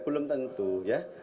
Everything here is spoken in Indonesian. belum tentu ya